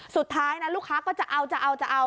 สุดท้ายลูกค้าก็จะเอา